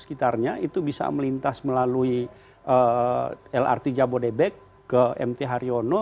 sekitarnya itu bisa melintas melalui lrt jabodebek ke mt haryono